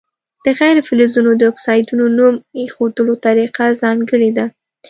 د غیر فلزونو د اکسایدونو نوم ایښودلو طریقه ځانګړې ده.